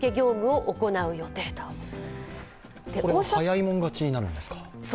早い者勝ちになるんですか？